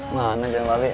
mana jalan waletnya